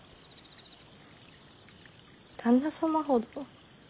旦那様ほど。